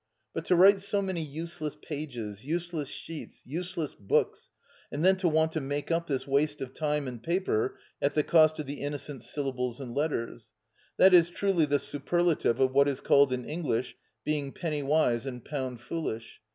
But to write so many useless pages, useless sheets, useless books, and then to want to make up this waste of time and paper at the cost of the innocent syllables and letters—that is truly the superlative of what is called in English being penny wise and pound foolish.